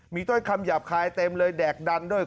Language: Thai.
มีถ้อยคำหยาบคายเต็มเลยแดกดันด้วย